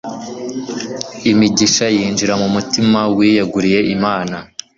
imigisha yinjira mu mutima wiyegunye Imana.